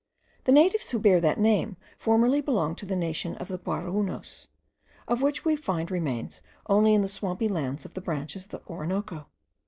The natives who bear that name formerly belonged to the nation of the Guaraounos, of which we find remains only in the swampy lands of the branches of the Orinoco.